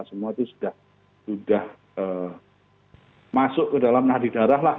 semua itu sudah masuk ke dalam nahdi darah lah